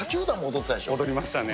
踊りましたね。